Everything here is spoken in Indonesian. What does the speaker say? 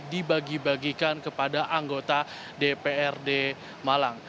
dibagi bagikan kepada anggota dprd malang